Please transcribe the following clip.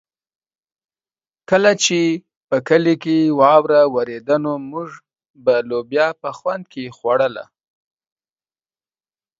کله چې په کلي کې واوره ورېده نو موږ به لوبیا په خوند خوړله.